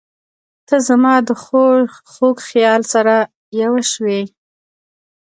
• ته زما د خوږ خیال سره یوه شوې.